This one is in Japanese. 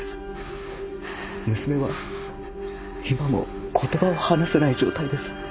娘は今も言葉を話せない状態です。